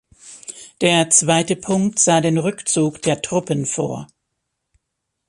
Der zweite Punkt sah den Rückzug der Truppen vor.